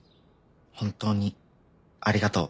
本当にありがとう。